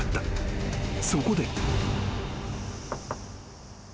［そこで］